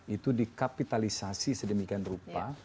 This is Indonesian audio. itu dikapitalisasi sedemikian rupa